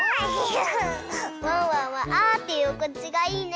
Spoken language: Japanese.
ワンワンはあっていうおくちがいいね。